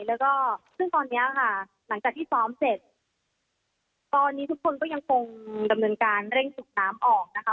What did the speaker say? แล้วก็ซึ่งตอนเนี้ยค่ะหลังจากที่ซ้อมเสร็จตอนนี้ทุกคนก็ยังคงดำเนินการเร่งสูบน้ำออกนะคะ